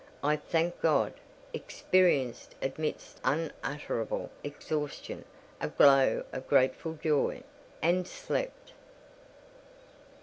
I thanked God—experienced amidst unutterable exhaustion a glow of grateful joy—and slept.